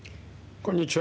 こんにちは。